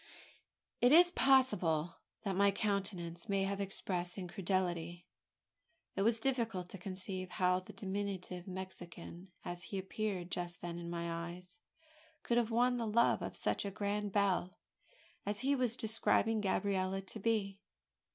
It is possible that my countenance may have expressed incredulity. It was difficult to conceive how the diminutive Mexican as he appeared just then in my eyes could have won the love of such a grand belle as he was describing Gabriella to be.